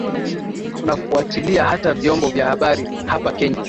unafwatilia hata viombo vya habari hapa kenya